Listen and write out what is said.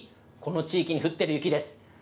この地域に降っている雪です。